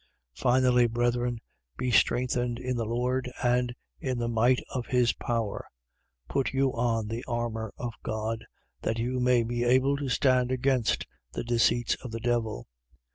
6:10. Finally, brethren, be strengthened in the Lord and in the might of his power. 6:11. Put you on the armour of God, that you may be able to stand against the deceits of the devil.